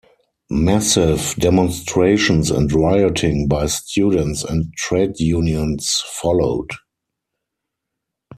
Massive demonstrations and rioting by students and trade unions followed.